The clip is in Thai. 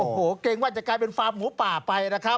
โอ้โหเกรงว่าจะกลายเป็นฟาร์มหมูป่าไปนะครับ